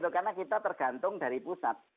karena kita tergantung dari pusat